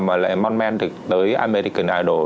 mà lại mong man được tới american idol